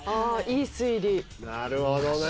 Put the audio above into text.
いい推理なるほどね